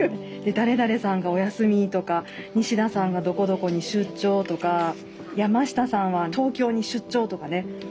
誰々さんがお休みとか西田さんがどこどこに出張とか山下さんは東京に出張とかね。